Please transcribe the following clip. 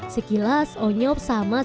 sekilas onyok sama seperti sagunya